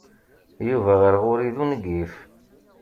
Yuba ɣer ɣur-i d ungif.